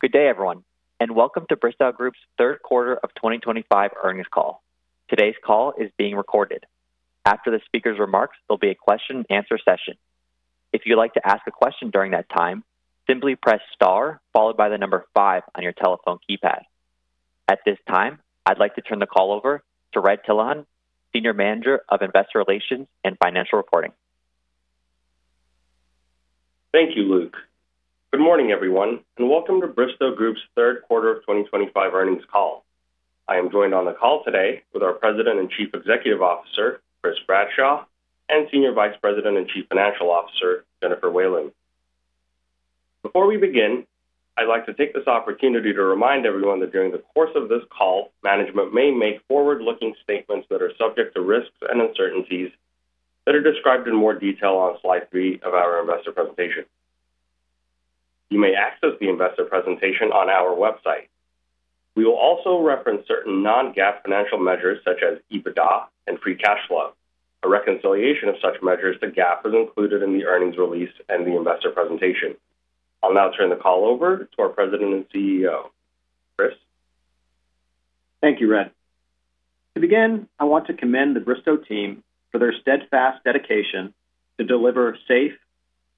Good day, everyone, and welcome to Bristow Group's third quarter of 2025 earnings call. Today's call is being recorded. After the speaker's remarks, there'll be a question-and-answer session. If you'd like to ask a question during that time, simply press star followed by the number five on your telephone keypad. At this time, I'd like to turn the call over to Red Tilahun, Senior Manager of Investor Relations and Financial Reporting. Thank you, Luke. Good morning, everyone, and welcome to Bristow Group's third quarter of 2025 earnings call. I am joined on the call today with our President and Chief Executive Officer, Chris Bradshaw, and Senior Vice President and Chief Financial Officer, Jennifer Whalen. Before we begin, I'd like to take this opportunity to remind everyone that during the course of this call, management may make forward-looking statements that are subject to risks and uncertainties that are described in more detail on slide three of our investor presentation. You may access the investor presentation on our website. We will also reference certain non-GAAP financial measures such as EBITDA and free cash flow, a reconciliation of such measures to GAAP as included in the earnings release and the investor presentation. I'll now turn the call over to our President and CEO, Chris. Thank you, Red. To begin, I want to commend the Bristow team for their steadfast dedication to deliver safe,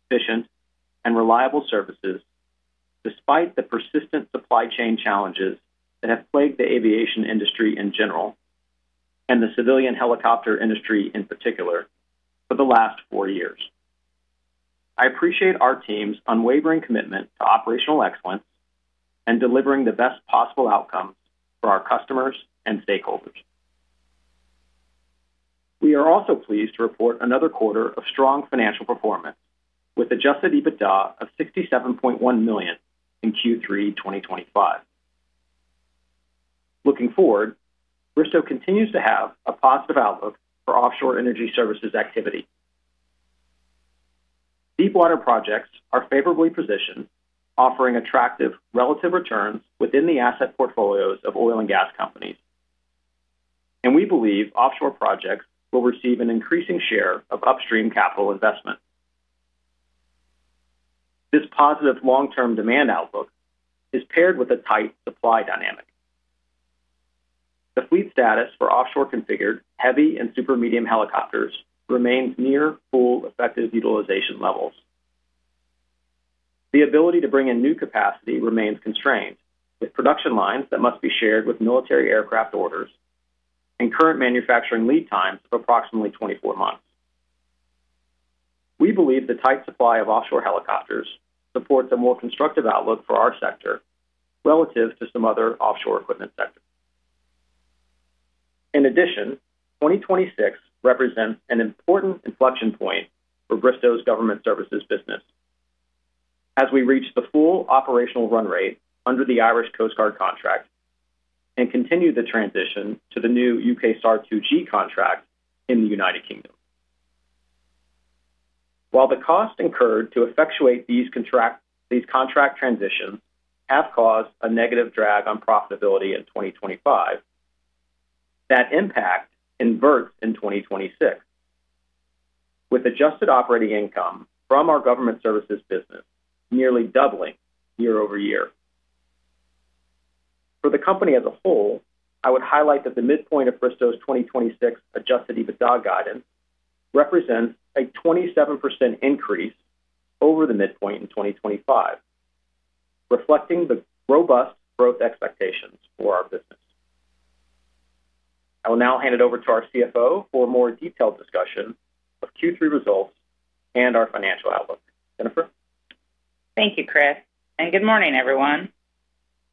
efficient, and reliable services despite the persistent supply chain challenges that have plagued the aviation industry in general. The civilian helicopter industry in particular, for the last four years. I appreciate our team's unwavering commitment to operational excellence and delivering the best possible outcomes for our customers and stakeholders. We are also pleased to report another quarter of strong financial performance with Adjusted EBITDA of $67.1 million in Q3 2025. Looking forward, Bristow continues to have a positive outlook for offshore energy services activity. Deep water projects are favorably positioned, offering attractive relative returns within the asset portfolios of oil and gas companies. We believe offshore projects will receive an increasing share of upstream capital investment. This positive long-term demand outlook is paired with a tight supply dynamic. The fleet status for offshore-configured heavy and super-medium helicopters remains near full effective utilization levels. The ability to bring in new capacity remains constrained, with production lines that must be shared with military aircraft orders and current manufacturing lead times of approximately 24 months. We believe the tight supply of offshore helicopters supports a more constructive outlook for our sector relative to some other offshore equipment sectors. In addition, 2026 represents an important inflection point for Bristow's government services business. As we reach the full operational run rate under the Irish Coast Guard contract and continue the transition to the new U.K. Star 2G contract in the United Kingdom. While the cost incurred to effectuate these contract transitions has caused a negative drag on profitability in 2025. That impact inverts in 2026. With adjusted operating income from our government services business nearly doubling year-over-year. For the company as a whole, I would highlight that the midpoint of Bristow's 2026 Adjusted EBITDA guidance represents a 27% increase over the midpoint in 2025, reflecting the robust growth expectations for our business. I will now hand it over to our CFO for a more detailed discussion of Q3 results and our financial outlook. Jennifer. Thank you, Chris. Good morning, everyone.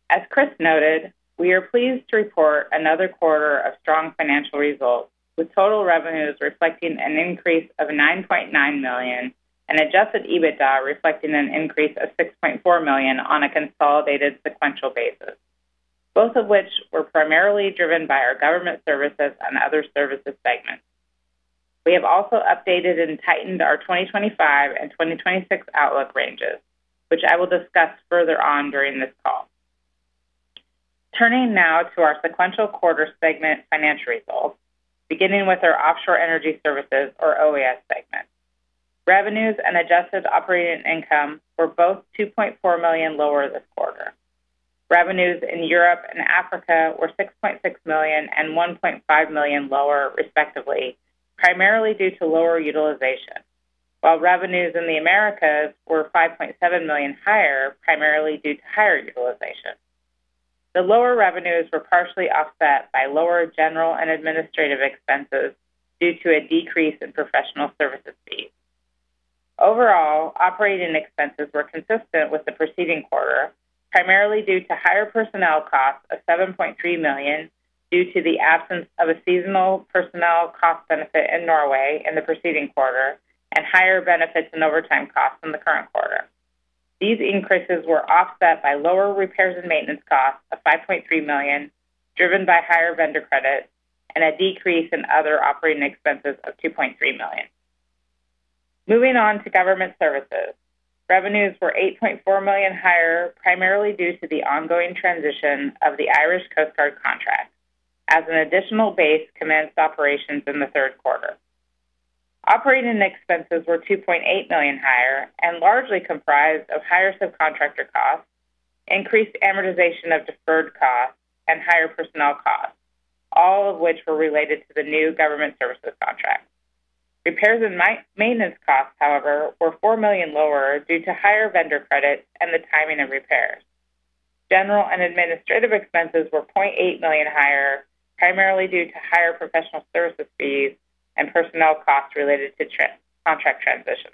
As Chris noted, we are pleased to report another quarter of strong financial results, with total revenues reflecting an increase of $9.9 million and Adjusted EBITDA reflecting an increase of $6.4 million on a consolidated sequential basis, both of which were primarily driven by our government services and other services segments. We have also updated and tightened our 2025 and 2026 outlook ranges, which I will discuss further on during this call. Turning now to our sequential quarter segment financial results, beginning with our offshore energy services, or OES, segment. Revenues and adjusted operating income were both $2.4 million lower this quarter. Revenues in Europe and Africa were $6.6 million and $1.5 million lower, respectively, primarily due to lower utilization, while revenues in the Americas were $5.7 million higher, primarily due to higher utilization. The lower revenues were partially offset by lower general and administrative expenses due to a decrease in professional services fees. Overall, operating expenses were consistent with the preceding quarter, primarily due to higher personnel costs of $7.3 million due to the absence of a seasonal personnel cost benefit in Norway in the preceding quarter and higher benefits and overtime costs in the current quarter. These increases were offset by lower repairs and maintenance costs of $5.3 million, driven by higher vendor credit, and a decrease in other operating expenses of $2.3 million. Moving on to government services, revenues were $8.4 million higher, primarily due to the ongoing transition of the Irish Coast Guard contract as an additional base commenced operations in the third quarter. Operating expenses were $2.8 million higher and largely comprised of higher subcontractor costs, increased amortization of deferred costs, and higher personnel costs, all of which were related to the new government services contract. Repairs and maintenance costs, however, were $4 million lower due to higher vendor credit and the timing of repairs. General and administrative expenses were $0.8 million higher, primarily due to higher professional services fees and personnel costs related to contract transitions.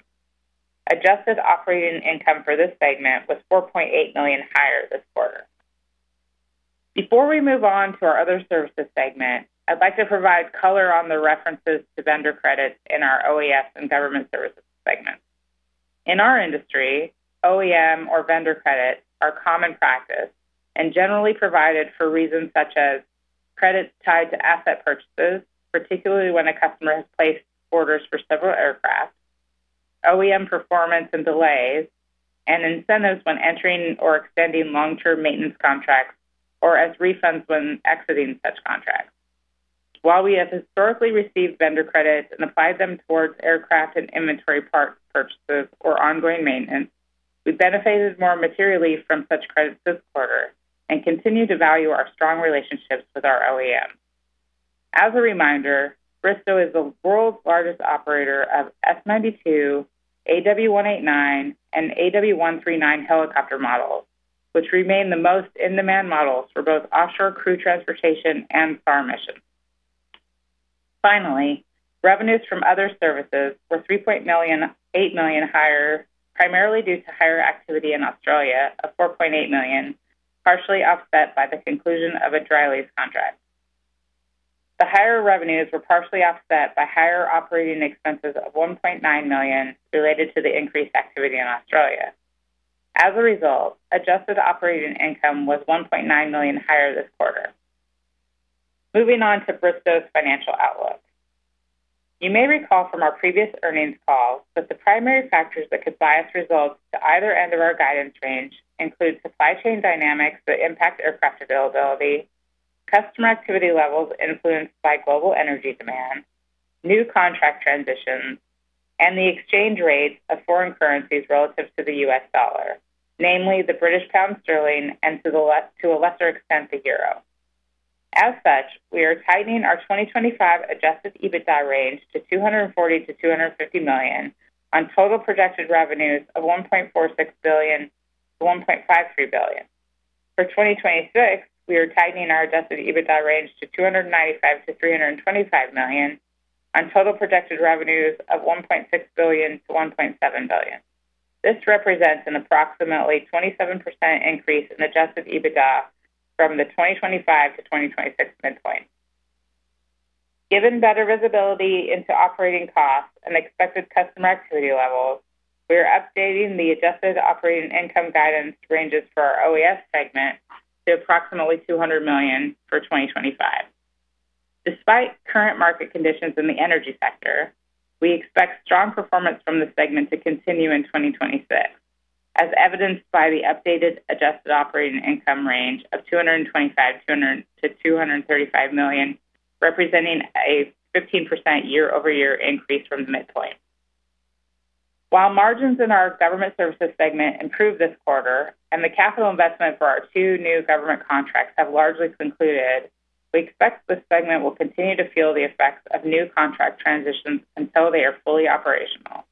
Adjusted operating income for this segment was $4.8 million higher this quarter. Before we move on to our other services segment, I'd like to provide color on the references to vendor credits in our OES and government services segments. In our industry, OEM or vendor credits are common practice and generally provided for reasons such as credits tied to asset purchases, particularly when a customer has placed orders for several aircraft, OEM performance and delays, and incentives when entering or extending long-term maintenance contracts or as refunds when exiting such contracts. While we have historically received vendor credits and applied them towards aircraft and inventory parts purchases or ongoing maintenance, we benefited more materially from such credits this quarter and continue to value our strong relationships with our OEM. As a reminder, Bristow is the world's largest operator of S-92, AW189, and AW139 helicopter models, which remain the most in-demand models for both offshore crew transportation and SAR missions. Finally, revenues from other services were $3.8 million higher, primarily due to higher activity in Australia of $4.8 million, partially offset by the conclusion of a dry lease contract. The higher revenues were partially offset by higher operating expenses of $1.9 million related to the increased activity in Australia. As a result, adjusted operating income was $1.9 million higher this quarter. Moving on to Bristow's financial outlook. You may recall from our previous earnings calls that the primary factors that could bias results to either end of our guidance range include supply chain dynamics that impact aircraft availability, customer activity levels influenced by global energy demand, new contract transitions, and the exchange rate of foreign currencies relative to the US dollar, namely the British pound sterling and to a lesser extent the euro. As such, we are tightening our 2025 Adjusted EBITDA range to $240 million-$250 million on total projected revenues of $1.46 billion-$1.53 billion. For 2026, we are tightening our Adjusted EBITDA range to $295 million-$325 million on total projected revenues of $1.6 billion-$1.7 billion. This represents an approximately 27% increase in Adjusted EBITDA from the 2025-2026 midpoint. Given better visibility into operating costs and expected customer activity levels, we are updating the adjusted operating income guidance ranges for our OES segment to approximately $200 million for 2025. Despite current market conditions in the energy sector, we expect strong performance from the segment to continue in 2026, as evidenced by the updated adjusted operating income range of $225 million-$235 million, representing a 15% year-over-year increase from the midpoint. While margins in our government services segment improved this quarter and the capital investment for our two new government contracts have largely concluded, we expect this segment will continue to feel the effects of new contract transitions until they are fully operational.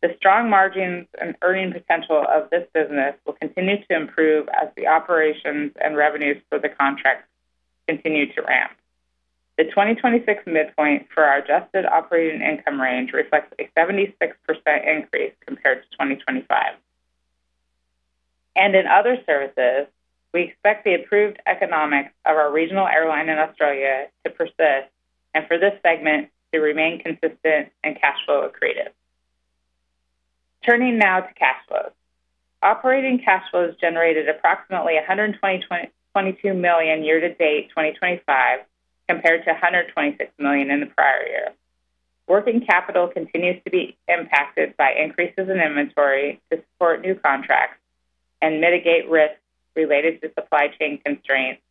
The strong margins and earning potential of this business will continue to improve as the operations and revenues for the contracts continue to ramp. The 2026 midpoint for our adjusted operating income range reflects a 76% increase compared to 2025. In other services, we expect the improved economics of our regional airline in Australia to persist and for this segment to remain consistent and cash flow accretive. Turning now to cash flows. Operating cash flows generated approximately $122 million year-to-date 2025 compared to $126 million in the prior year. Working capital continues to be impacted by increases in inventory to support new contracts and mitigate risks related to supply chain constraints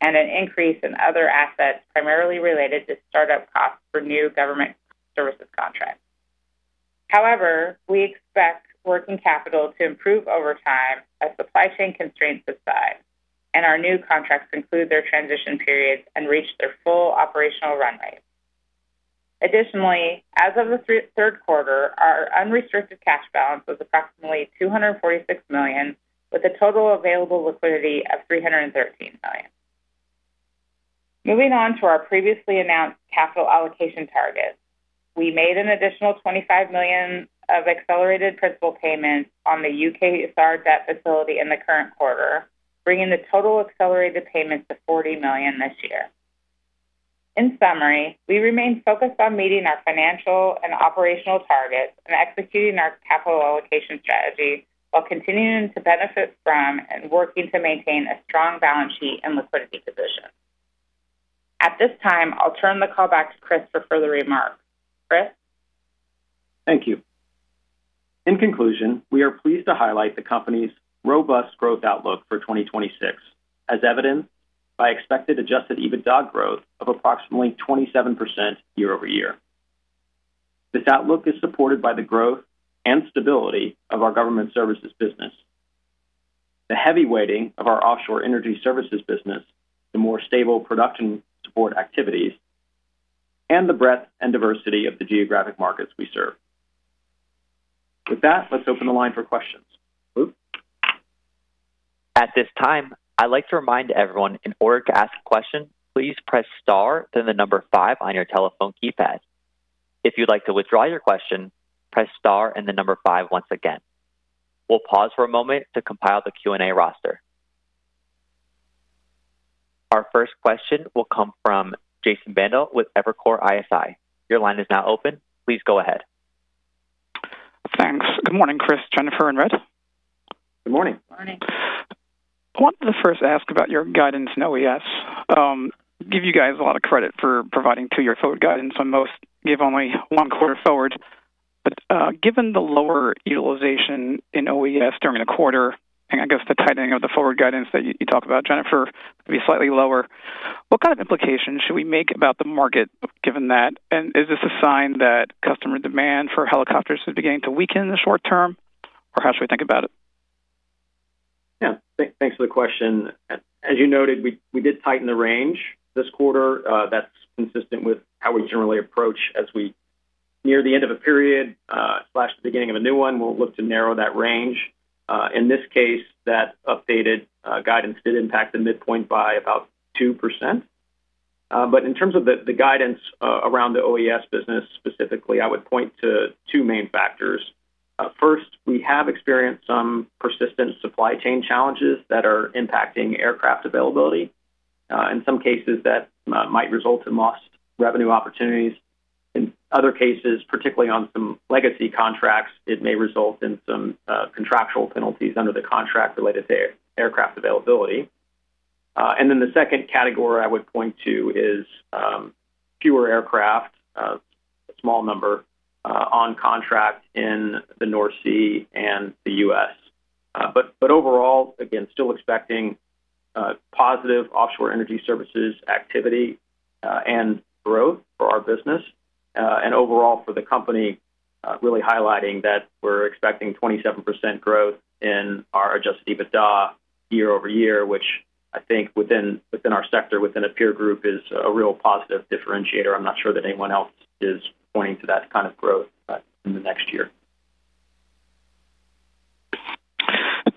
and an increase in other assets primarily related to startup costs for new government services contracts. However, we expect working capital to improve over time as supply chain constraints subside and our new contracts conclude their transition periods and reach their full operational run rate. Additionally, as of the third quarter, our unrestricted cash balance was approximately $246 million, with a total available liquidity of $313 million. Moving on to our previously announced capital allocation targets, we made an additional $25 million of accelerated principal payments on the UKSR debt facility in the current quarter, bringing the total accelerated payments to $40 million this year. In summary, we remain focused on meeting our financial and operational targets and executing our capital allocation strategy while continuing to benefit from and working to maintain a strong balance sheet and liquidity position. At this time, I'll turn the call back to Chris for further remarks. Chris. Thank you. In conclusion, we are pleased to highlight the company's robust growth outlook for 2026, as evidenced by expected Adjusted EBITDA growth of approximately 27% year-over-year. This outlook is supported by the growth and stability of our government services business, the heavy weighting of our offshore energy services business, the more stable production support activities, and the breadth and diversity of the geographic markets we serve. With that, let's open the line for questions, Luke. At this time, I'd like to remind everyone, in order to ask a question, please press *, then the number 5 on your telephone keypad. If you'd like to withdraw your question, press * and the number 5 once again. We'll pause for a moment to compile the Q&A roster. Our first question will come from Jason Bandel with Evercore ISI. Your line is now open. Please go ahead. Thanks. Good morning, Chris, Jennifer, and Red. Good morning. Morning. I wanted to first ask about your guidance in OES. Give you guys a lot of credit for providing two-year forward guidance on most, give only one quarter forward. Given the lower utilization in OES during the quarter, and I guess the tightening of the forward guidance that you talk about, Jennifer, maybe slightly lower, what kind of implications should we make about the market given that? Is this a sign that customer demand for helicopters is beginning to weaken in the short term, or how should we think about it? Yeah. Thanks for the question. As you noted, we did tighten the range this quarter. That's consistent with how we generally approach as we near the end of a period or the beginning of a new one, we'll look to narrow that range. In this case, that updated guidance did impact the midpoint by about 2%. In terms of the guidance around the OES business specifically, I would point to two main factors. First, we have experienced some persistent supply chain challenges that are impacting aircraft availability. In some cases, that might result in lost revenue opportunities. In other cases, particularly on some legacy contracts, it may result in some contractual penalties under the contract related to aircraft availability. The second category I would point to is fewer aircraft, a small number, on contract in the North Sea and the U.S. Overall, again, still expecting. Positive offshore energy services activity and growth for our business. Overall, for the company, really highlighting that we're expecting 27% growth in our Adjusted EBITDA year-over-year, which I think within our sector, within a peer group, is a real positive differentiator. I'm not sure that anyone else is pointing to that kind of growth in the next year.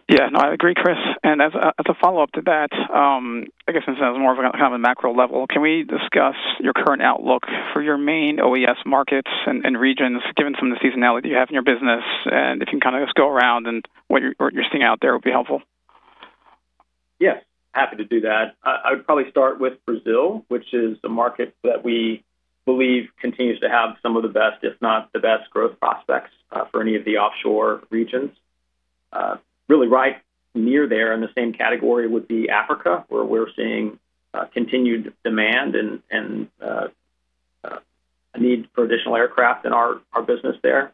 Yeah. No, I agree, Chris. As a follow-up to that, I guess this is more of a kind of a macro level. Can we discuss your current outlook for your main OES markets and regions, given some of the seasonality you have in your business? If you can kind of just go around and what you're seeing out there would be helpful. Yes. Happy to do that. I would probably start with Brazil, which is a market that we believe continues to have some of the best, if not the best, growth prospects for any of the offshore regions. Really right near there in the same category would be Africa, where we're seeing continued demand and a need for additional aircraft in our business there.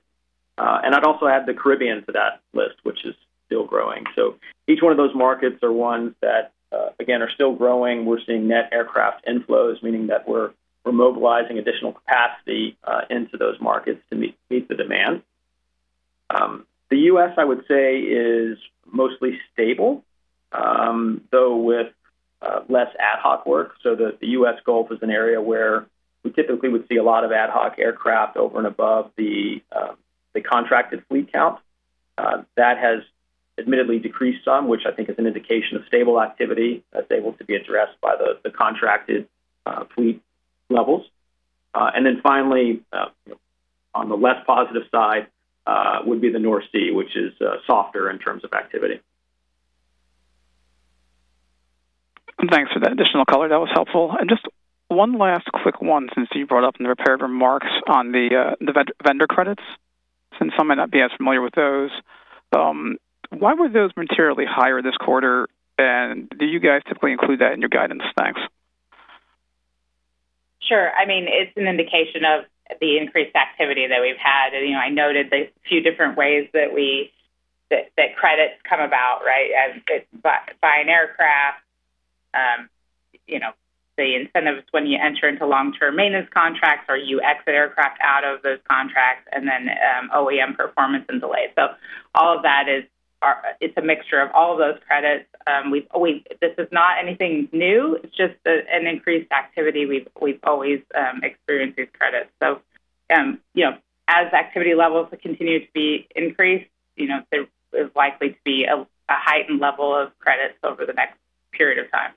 I'd also add the Caribbean to that list, which is still growing. Each one of those markets are ones that, again, are still growing. We're seeing net aircraft inflows, meaning that we're mobilizing additional capacity into those markets to meet the demand. The U.S., I would say, is mostly stable, though with less ad hoc work. The US Gulf is an area where we typically would see a lot of ad hoc aircraft over and above the contracted fleet count. That has admittedly decreased some, which I think is an indication of stable activity that is able to be addressed by the contracted fleet levels. Finally, on the less positive side would be the North Sea, which is softer in terms of activity. Thanks for that additional color. That was helpful. Just one last quick one, since you brought up in the prepared remarks on the vendor credits, since some might not be as familiar with those. Why were those materially higher this quarter? Do you guys typically include that in your guidance? Thanks. Sure. I mean, it's an indication of the increased activity that we've had. I noted the few different ways that credits come about, right? Buying aircraft. The incentives when you enter into long-term maintenance contracts, or you exit aircraft out of those contracts, and then OEM performance and delays. All of that is a mixture of all of those credits. This is not anything new. It's just an increased activity we've always experienced with credits. As activity levels continue to be increased, there is likely to be a heightened level of credits over the next period of time.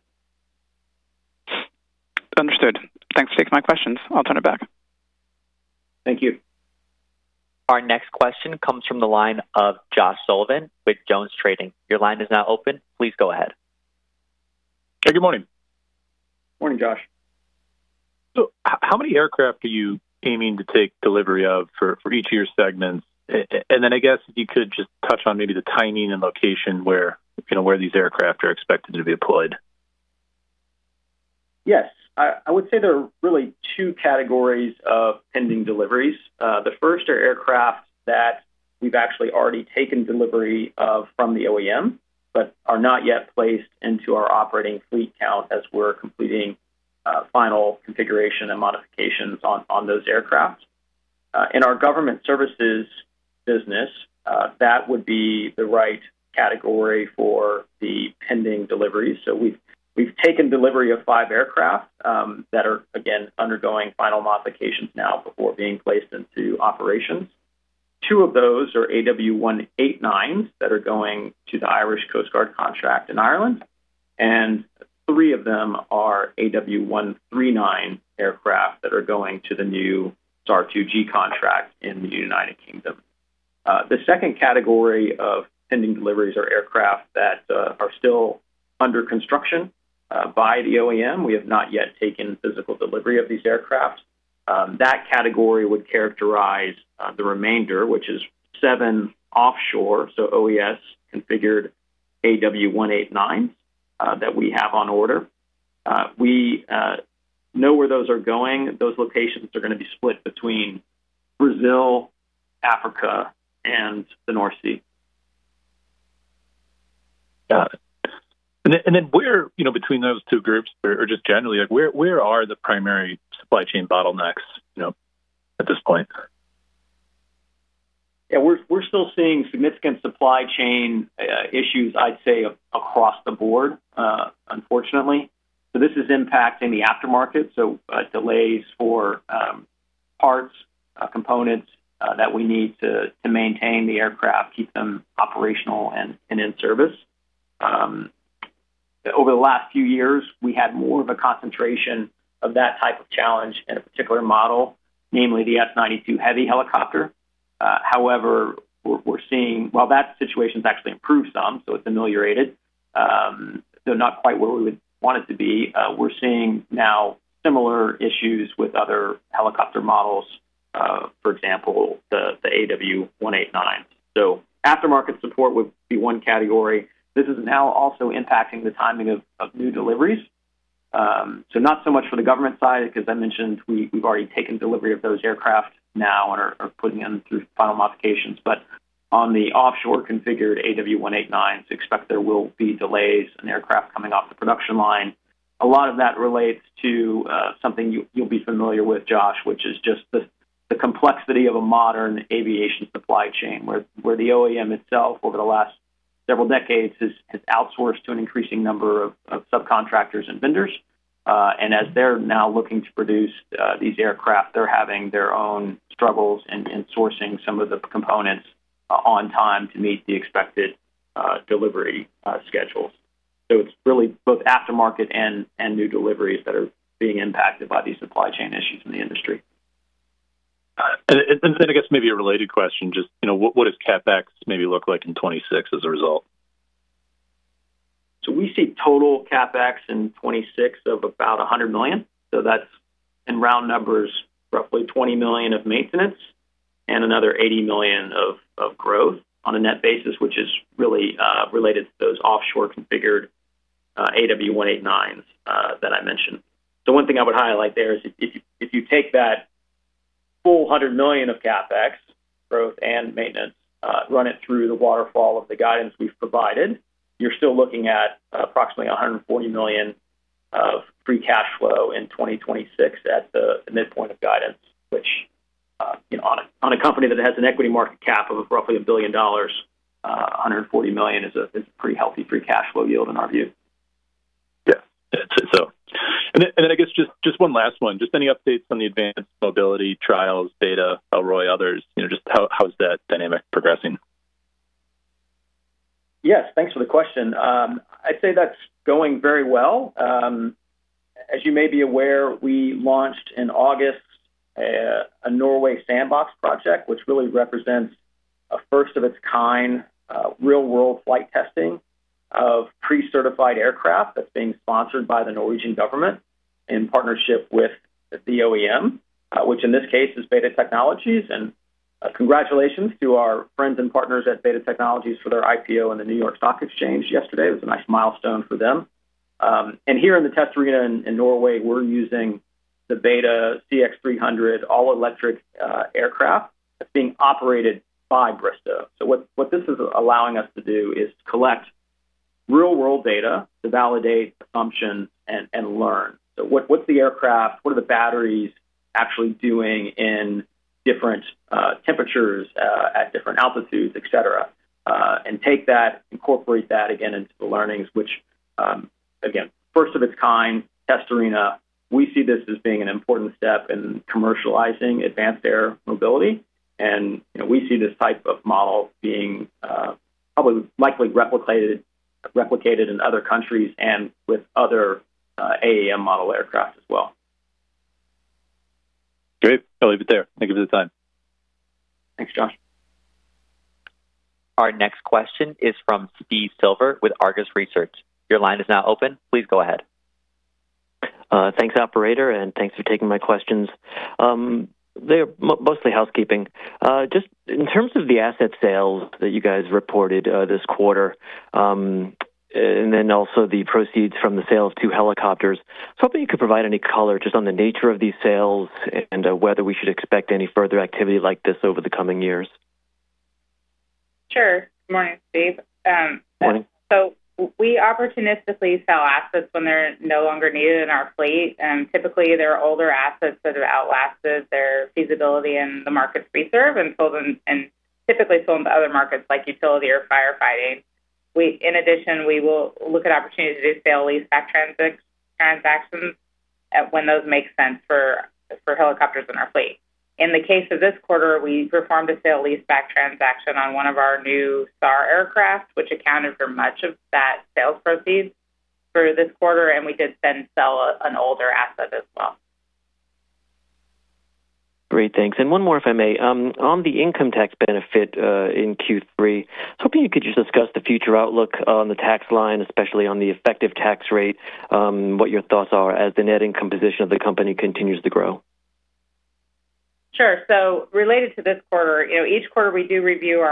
Understood. Thanks for taking my questions. I'll turn it back. Thank you. Our next question comes from the line of Josh Sullivan with JonesTrading. Your line is now open. Please go ahead. Hey, good morning. Morning, Josh. How many aircraft are you aiming to take delivery of for each of your segments? I guess if you could just touch on maybe the timing and location where these aircraft are expected to be deployed. Yes. I would say there are really two categories of pending deliveries. The first are aircraft that we've actually already taken delivery of from the OEM, but are not yet placed into our operating fleet count as we're completing final configuration and modifications on those aircraft. In our government services business, that would be the right category for the pending deliveries. So we've taken delivery of five aircraft that are, again, undergoing final modifications now before being placed into operations. Two of those are AW189s that are going to the Irish Coast Guard contract in Ireland. Three of them are AW139 aircraft that are going to the new STAR-2G contract in the United Kingdom. The second category of pending deliveries are aircraft that are still under construction by the OEM. We have not yet taken physical delivery of these aircraft. That category would characterize the remainder, which is seven offshore, so OES configured AW189s that we have on order. We know where those are going. Those locations are going to be split between Brazil, Africa, and the North Sea. Got it. And then between those two groups, or just generally, where are the primary supply chain bottlenecks at this point? Yeah. We're still seeing significant supply chain issues, I'd say, across the board, unfortunately. This is impacting the aftermarket, so delays for parts, components that we need to maintain the aircraft, keep them operational and in service. Over the last few years, we had more of a concentration of that type of challenge in a particular model, namely the S-92 heavy helicopter. However, while that situation's actually improved some, so it's ameliorated, though not quite where we would want it to be, we're seeing now similar issues with other helicopter models, for example, the AW189s. Aftermarket support would be one category. This is now also impacting the timing of new deliveries. Not so much for the government side, because I mentioned we've already taken delivery of those aircraft now and are putting them through final modifications. On the offshore configured AW189s, expect there will be delays in aircraft coming off the production line. A lot of that relates to something you'll be familiar with, Josh, which is just the complexity of a modern aviation supply chain, where the OEM itself, over the last several decades, has outsourced to an increasing number of subcontractors and vendors. As they're now looking to produce these aircraft, they're having their own struggles in sourcing some of the components on time to meet the expected delivery schedules. It is really both aftermarket and new deliveries that are being impacted by these supply chain issues in the industry. Got it. I guess maybe a related question, just what does CapEx maybe look like in 2026 as a result? We see total CapEx in 2026 of about $100 million. That is, in round numbers, roughly $20 million of maintenance and another $80 million of growth on a net basis, which is really related to those offshore configured AW189s that I mentioned. One thing I would highlight there is if you take that full $100 million of CapEx, growth, and maintenance, run it through the waterfall of the guidance we have provided, you are still looking at approximately $140 million of free cash flow in 2026 at the midpoint of guidance, which, on a company that has an equity market cap of roughly $1 billion, $140 million is a pretty healthy free cash flow yield in our view. Yeah. It's itself. I guess just one last one. Just any updates on the advanced mobility trials, Beta, Elroy, others? Just how is that dynamic progressing? Yes. Thanks for the question. I'd say that's going very well. As you may be aware, we launched in August a Norway sandbox project, which really represents a first-of-its-kind real-world flight testing of pre-certified aircraft that's being sponsored by the Norwegian government in partnership with the OEM, which in this case is Beta Technologies. Congratulations to our friends and partners at Beta Technologies for their IPO in the New York Stock Exchange yesterday. It was a nice milestone for them. Here in the test arena in Norway, we're using the Beta CX-300 all-electric aircraft that's being operated by Bristow. What this is allowing us to do is collect real-world data to validate assumptions and learn. What is the aircraft, what are the batteries actually doing in different temperatures at different altitudes, etc.? Take that, incorporate that again into the learnings, which. Again, first-of-its-kind test arena, we see this as being an important step in commercializing advanced air mobility. We see this type of model being probably likely replicated in other countries and with other AAM model aircraft as well. Great. I'll leave it there. Thank you for the time. Thanks, Josh. Our next question is from Steve Silver with Argus Research. Your line is now open. Please go ahead. Thanks, Operator, and thanks for taking my questions. They're mostly housekeeping. Just in terms of the asset sales that you guys reported this quarter. Also the proceeds from the sales to helicopters. I was hoping you could provide any color just on the nature of these sales and whether we should expect any further activity like this over the coming years. Sure. Good morning, Steve. Morning. We opportunistically sell assets when they're no longer needed in our fleet. Typically, they're older assets that have outlasted their feasibility in the markets we serve and typically sold in other markets like utility or firefighting. In addition, we will look at opportunities to do sale-leaseback transactions when those make sense for helicopters in our fleet. In the case of this quarter, we performed a sale-leaseback transaction on one of our new Star aircraft, which accounted for much of that sales proceeds for this quarter. We did then sell an older asset as well. Great. Thanks. One more, if I may. On the income tax benefit in Q3, I was hoping you could just discuss the future outlook on the tax line, especially on the effective tax rate, what your thoughts are as the net income position of the company continues to grow. Sure. Related to this quarter, each quarter we do review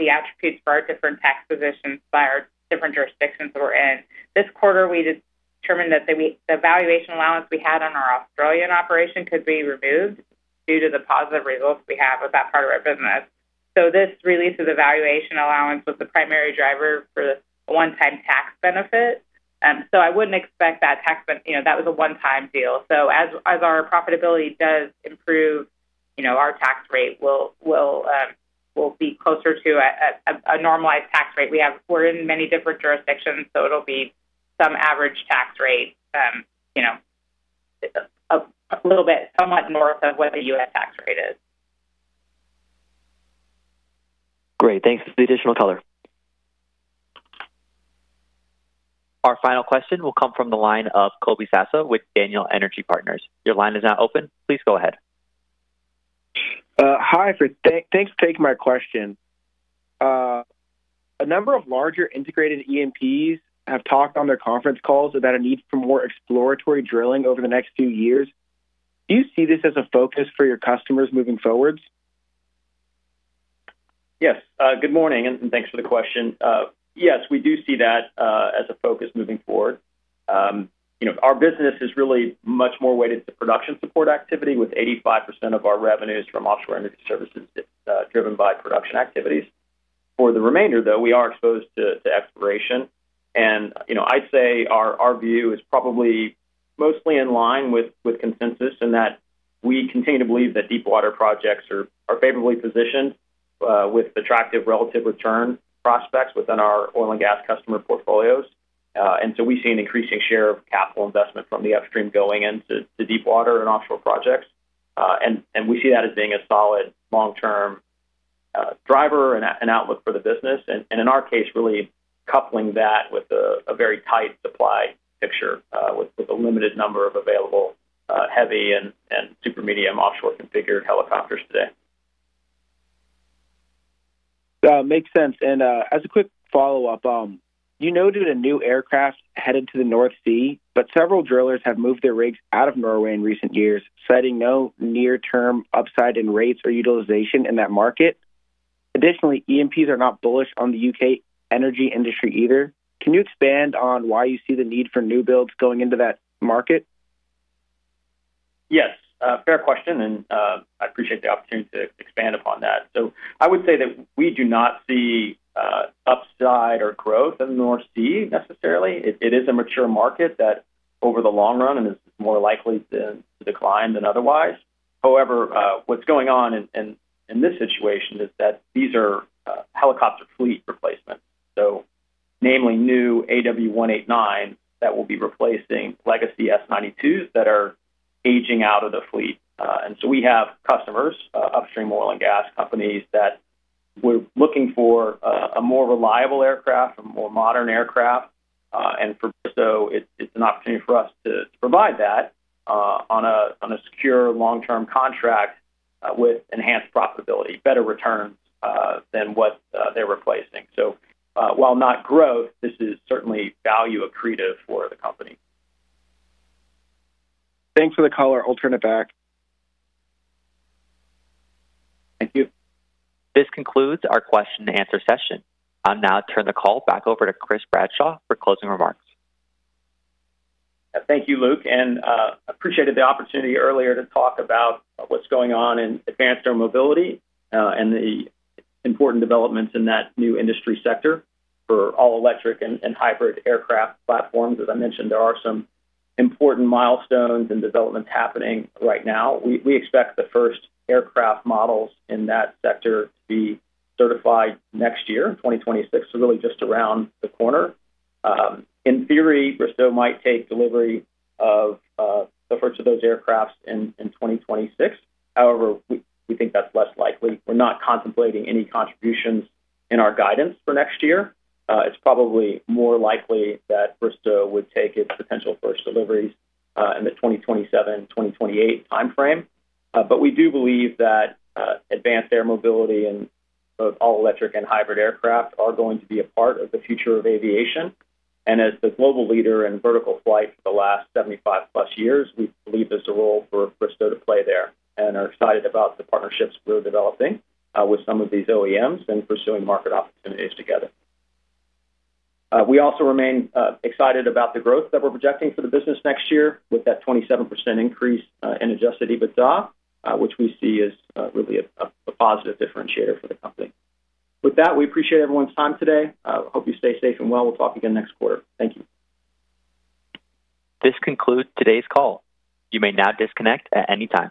the attributes for our different tax positions by our different jurisdictions that we're in. This quarter, we determined that the valuation allowance we had on our Australian operation could be removed due to the positive results we have with that part of our business. This release of the valuation allowance was the primary driver for the one-time tax benefit. I wouldn't expect that tax, that was a one-time deal. As our profitability does improve, our tax rate will be closer to a normalized tax rate. We're in many different jurisdictions, so it'll be some average tax rate, a little bit somewhat north of what the U.S. tax rate is. Great. Thanks for the additional color. Our final question will come from the line of Colby Sasso with Daniel Energy Partners. Your line is now open. Please go ahead. Hi, thanks for taking my question. A number of larger integrated E&Ps have talked on their conference calls about a need for more exploratory drilling over the next few years. Do you see this as a focus for your customers moving forward? Yes. Good morning, and thanks for the question. Yes, we do see that as a focus moving forward. Our business is really much more weighted to production support activity, with 85% of our revenues from offshore energy services driven by production activities. For the remainder, though, we are exposed to exploration. I'd say our view is probably mostly in line with consensus in that we continue to believe that deep-water projects are favorably positioned with attractive relative return prospects within our oil and gas customer portfolios. We see an increasing share of capital investment from the upstream going into deep-water and offshore projects. We see that as being a solid long-term driver and outlook for the business. In our case, really coupling that with a very tight supply picture with a limited number of available heavy and super medium offshore configured helicopters today. Makes sense. As a quick follow-up, you noted a new aircraft headed to the North Sea, but several drillers have moved their rigs out of Norway in recent years, citing no near-term upside in rates or utilization in that market. Additionally, EMPs are not bullish on the U.K. energy industry either. Can you expand on why you see the need for new builds going into that market? Yes. Fair question. I appreciate the opportunity to expand upon that. I would say that we do not see upside or growth in the North Sea necessarily. It is a mature market that, over the long run, is more likely to decline than otherwise. However, what's going on in this situation is that these are helicopter fleet replacements. Namely, new AW189s that will be replacing legacy S-92s that are aging out of the fleet. We have customers, upstream oil and gas companies, that were looking for a more reliable aircraft, a more modern aircraft. For Bristow, it's an opportunity for us to provide that on a secure long-term contract with enhanced profitability, better returns than what they're replacing. While not growth, this is certainly value accretive for the company. Thanks for the color. I'll turn it back. Thank you. This concludes our question-and-answer session. I'll now turn the call back over to Chris Bradshaw for closing remarks. Thank you, Luke. I appreciated the opportunity earlier to talk about what's going on in advanced air mobility and the important developments in that new industry sector for all-electric and hybrid aircraft platforms. As I mentioned, there are some important milestones and developments happening right now. We expect the first aircraft models in that sector to be certified next year, 2026, so really just around the corner. In theory, Bristow might take delivery of the first of those aircraft in 2026. However, we think that's less likely. We're not contemplating any contributions in our guidance for next year. It's probably more likely that Bristow would take its potential first deliveries in the 2027-2028 timeframe. We do believe that advanced air mobility in both all-electric and hybrid aircraft are going to be a part of the future of aviation. As the global leader in vertical flight for the last 75-plus years, we believe there is a role for Bristow to play there and are excited about the partnerships we are developing with some of these OEMs and pursuing market opportunities together. We also remain excited about the growth that we are projecting for the business next year with that 27% increase in Adjusted EBITDA, which we see as really a positive differentiator for the company. With that, we appreciate everyone's time today. I hope you stay safe and well. We will talk again next quarter. Thank you. This concludes today's call. You may now disconnect at any time.